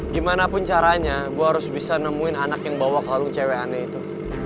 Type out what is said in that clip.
gimanapun caranya gue harus bisa nemuin anak yang bawa kalung cewek aneh itu